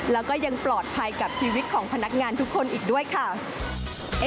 แล้วก็ยังปลอดภัยกับชีวิตของพนักงานทุกคนอีกด้วยค่ะ